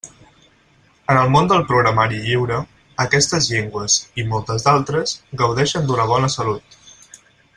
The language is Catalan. En el món del programari lliure, aquestes llengües, i moltes d'altres, gaudeixen d'una bona salut.